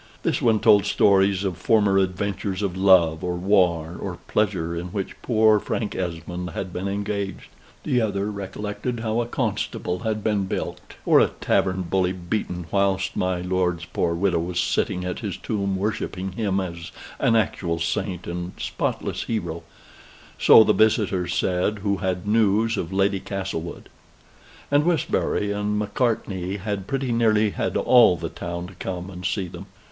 This one told stories of former adventures of love, or war, or pleasure, in which poor Frank Esmond had been engaged; t'other recollected how a constable had been bilked, or a tavern bully beaten: whilst my lord's poor widow was sitting at his tomb worshipping him as an actual saint and spotless hero so the visitors said who had news of Lady Castlewood; and Westbury and Macartney had pretty nearly had all the town to come and see them.